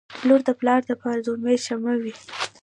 • لور د پلار لپاره د امید شمعه وي.